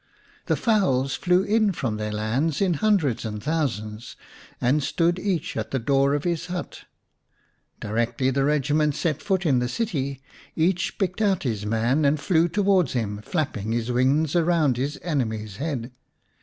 The fowls flew in from their lands in hundreds and thousands, and stood each at the door of his hut. Directly the regiment set foot in the city each picked out his man and flew towards him, flapping his wings around his enemy's head.